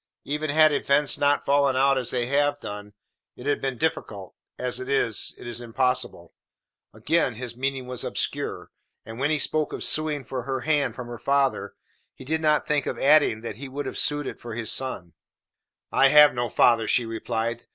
Even had events not fallen out as they have done, it had been difficult; as it is, it is impossible." Again his meaning was obscure, and when he spoke of suing for her hand from her father, he did not think of adding that he would have sued it for his son. "I have no father," she replied.